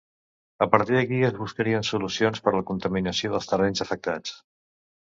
A partir d'aquí es buscarien solucions per la contaminació dels terrenys afectats.